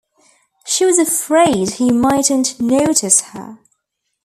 She was afraid He mightn’t notice her.